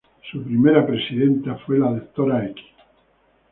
Su primera presidenta fue la Dra.